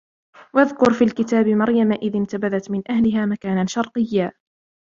وَاذْكُرْ فِي الْكِتَابِ مَرْيَمَ إِذِ انْتَبَذَتْ مِنْ أَهْلِهَا مَكَانًا شَرْقِيًّا